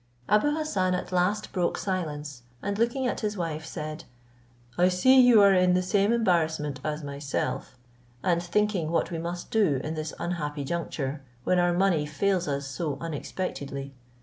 Abou Hassan at last broke silence, and looking at his wife, said, "I see you are in the same embarrassment as myself, and thinking what we must do in this unhappy juncture, when our money fails us so unexpectedly.